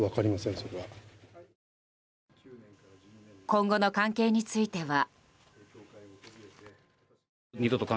今後の関係については。